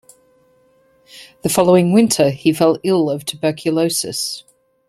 The following winter, he fell ill of tuberculosis.